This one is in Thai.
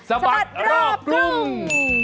สะบัดรอบกรุง